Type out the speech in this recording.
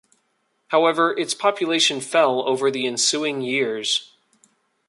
However its population fell over the ensuing years.